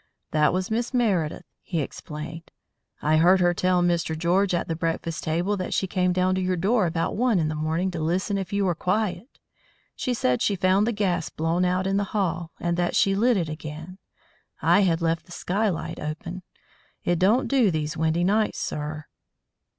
"That was Miss Meredith," he explained. "I heard her tell Mr. George at the breakfast table that she came down to your door about one in the morning to listen if you were quiet. She said she found the gas blown out in the hall, and that she lit it again. I had left the sky light open; it don't do these windy nights, sir."